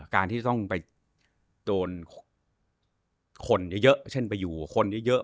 การที่ต้องไปโดนคนเยอะเช่นไปอยู่กับคนเยอะ